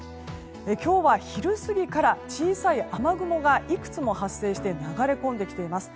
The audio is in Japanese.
今日は昼過ぎから小さい雨雲がいくつも発生して流れ込んできています。